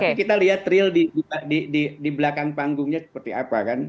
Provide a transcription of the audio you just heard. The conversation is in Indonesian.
tapi kita lihat real di belakang panggungnya seperti apa kan